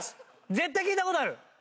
絶対聞いた事ある。